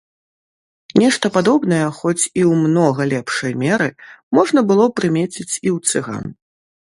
Нешта падобнае, хоць і ў многа лепшай меры, можна было прымеціць і ў цыган.